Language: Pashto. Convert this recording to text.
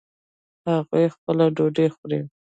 هغوی خپله ډوډۍ خوري